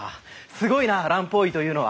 すごいな蘭方医というのは。